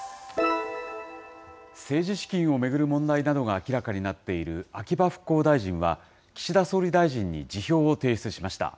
政治資金を巡る問題などが明らかになっている秋葉復興大臣は、岸田総理大臣に辞表を提出しました。